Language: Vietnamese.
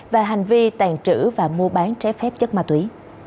và hành vi tàn trữ và mua bán trái phép chất ma túy